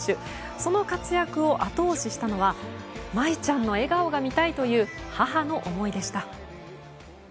その活躍を後押ししたのは茉愛ちゃんの笑顔が見たいという母の思いでした。